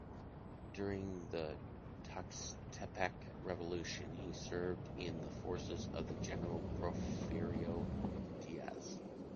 During the Tuxtepec Revolution, he served in the forces of General Porfirio Díaz.